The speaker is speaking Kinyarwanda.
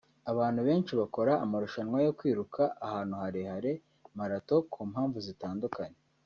Abantu benshi bakora amarushanwa yo kwiruka ahantu harehare (marathon) ku mpamvu zitandukanye